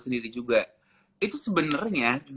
sendiri juga itu sebenernya